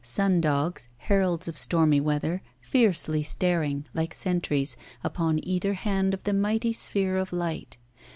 Sundogs heralds of stormy weather fiercely staring, like sentries, upon either hand of the mighty sphere of light.